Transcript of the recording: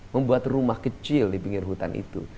membuat rumah kecil di pinggir hutan itu